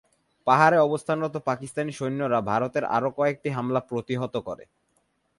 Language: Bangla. পাহাড়ে অবস্থানরত পাকিস্তানি সৈন্যরা ভারতের আরও কয়েকটি হামলা প্রতিহত করে।